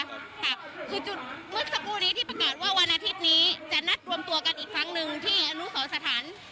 ค่ะคือจุดเมื่อสักครู่นี้ที่ประกาศว่าวันอาทิตย์นี้จะนัดรวมตัวกันอีกครั้งหนึ่งที่อนุสรสถาน